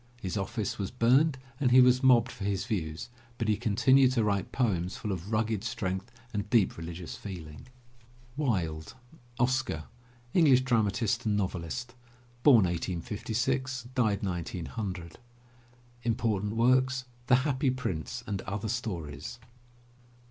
His office was burned and he was mobbed for his views, but he continued to write poems full of rugged strength and deep religious feeling. WILDE, OSCAR (English dramatist and novelist, 1856 1900) Important Works: The Happy Prince and Other Stories.